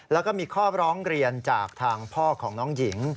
แล้วก็มีข้อร้องเรียนจากทางพ่อของน้องหญิง